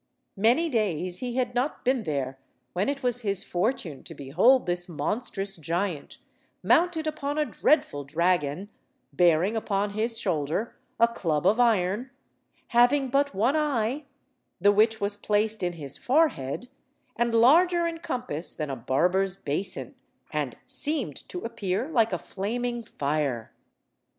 Many days he had not been there when it was his fortune to behold this monstrous giant, mounted upon a dreadful dragon, bearing upon his shoulder a club of iron, having but one eye, the which was placed in his forehead, and larger in compass than a barber's basin, and seemed to appear like a flaming fire.